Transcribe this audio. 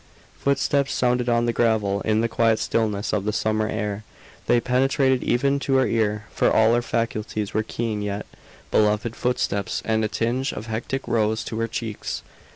Footsteps sounded on the gravel in the quiet stillness of the summer air. They penetrated even to her ear, for all her faculties were keen yet. Beloved footsteps; and a tinge of hectic rose to her cheeks.